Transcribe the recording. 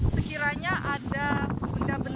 sekiranya ada benda berwarna orange